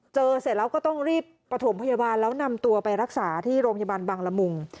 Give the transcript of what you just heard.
เสร็จแล้วก็ต้องรีบประถมพยาบาลแล้วนำตัวไปรักษาที่โรงพยาบาลบังละมุง